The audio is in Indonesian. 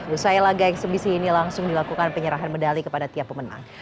usai laga eksebisi ini langsung dilakukan penyerahan medali kepada tiap pemenang